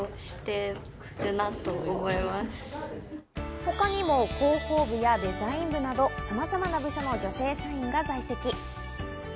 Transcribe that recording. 他にも広報部やデザイン部など様々な部署の女性社員が在籍。